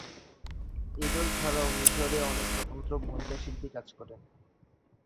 এ দল ছাড়াও মিশরে অনেক স্বতন্ত্র মহিলা শিল্পী কাজ করেন।